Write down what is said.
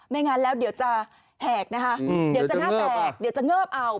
งั้นแล้วเดี๋ยวจะแหกนะคะเดี๋ยวจะหน้าแตกเดี๋ยวจะเงิบเอา